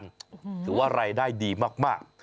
ถือว่ารายได้ดีมาก